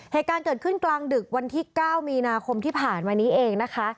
เหตุการณ์เกิดขึ้นกลางดึกวันที่๙มีนาคมที่ผ่านมานี้เองนะคะ